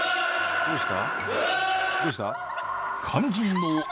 どうして？